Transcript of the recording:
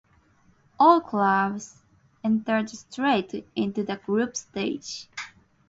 All clubs entered straight into the group stage.